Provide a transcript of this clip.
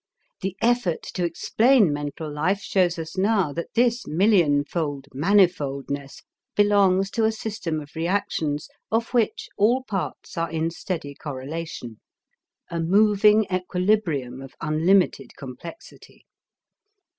The effort to explain mental life shows us now that this millionfold manifoldness belongs to a system of reactions of which all parts are in steady correlation: a moving equilibrium of unlimited complexity.